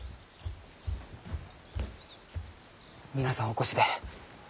皆さんお越しで。